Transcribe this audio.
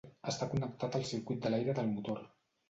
Està connectat al circuit de l'aire del motor.